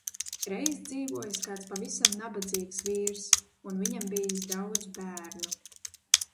Reiz dzīvojis kāds pavisam nabadzīgs vīrs un viņam bijis daudz bērnu.